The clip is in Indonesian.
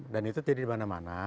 dan itu tidak dimana mana